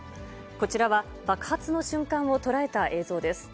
こちらは爆発の瞬間を捉えた映像です。